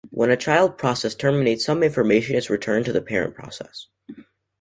When a child process terminates, some information is returned to the parent process.